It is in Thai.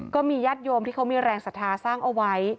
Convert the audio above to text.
ก็มีญาติโยมที่เขามีแรงศรัทธาสร้างเอาไว้